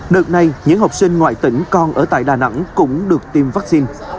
đợt này những học sinh ngoại tỉnh còn ở tại đà nẵng cũng được tiêm vắc xin